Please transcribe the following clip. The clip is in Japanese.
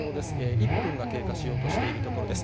１分が経過しようとしているところです。